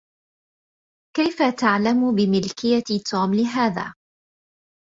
كيف تعلم بملكية توم لهذا؟